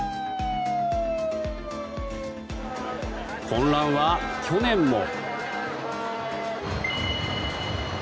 混乱は去年も。